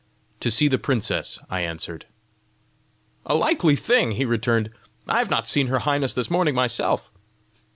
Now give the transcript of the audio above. "To see the princess," I answered. "A likely thing!" he returned. "I have not seen her highness this morning myself!"